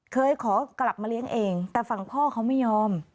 เคยขอกลับมาเลี้ยงเองแต่ฝั่งพ่อเขาไม่ยอม